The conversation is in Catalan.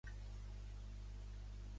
B. S. Haldane i Sewall Wright.